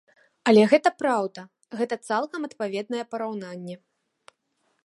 Але гэта праўда, гэта цалкам адпаведнае параўнанне.